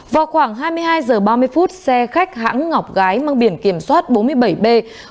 vào khoảng hai mươi hai h ba mươi phút xe khách hãng ngọc gái mang biển kiểm soát bốn mươi bảy b năm trăm hai mươi chín